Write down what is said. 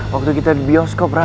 waktu kita di bioskop